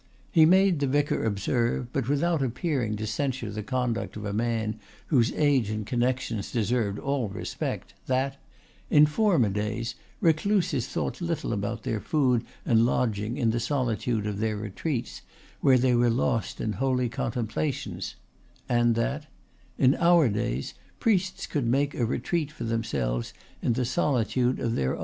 He made the vicar observe, but without appearing to censure the conduct of a man whose age and connections deserved all respect, that "in former days, recluses thought little about their food and lodging in the solitude of their retreats, where they were lost in holy contemplations," and that "in our days, priests could make a retreat for themselves in the solitude of their own hearts."